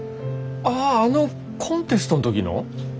あああのコンテストの時の？